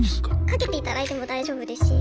かけていただいても大丈夫ですし。